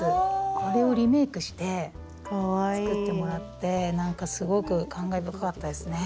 あれをリメークして作ってもらってなんかすごく感慨深かったですね。